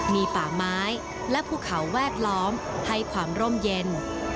มีป่าไม้และภูเขาแวดล้อมให้ความร่มเย็น